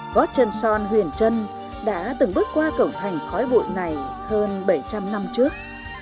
gót chân son huyền trân đã từng bước qua cổng thành khói bụi này hơn bảy trăm linh năm trước